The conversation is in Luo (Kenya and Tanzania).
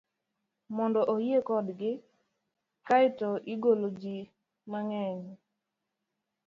mondo oyie kodgi, kae to igology mang'eny